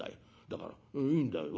だからいいんだよ。